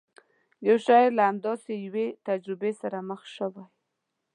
یو شاعر له همداسې یوې تجربې سره مخ شوی.